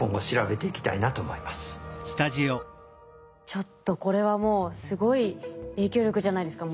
ちょっとこれはもうすごい影響力じゃないですか。